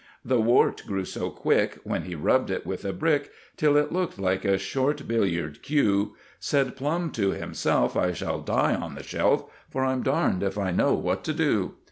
The wart grew so quick, when he rubbed it with a brick, Till it looked like a short billiard cue; Said Plum to himself, "I shall die on the shelf, For I'm darned if I know what to do."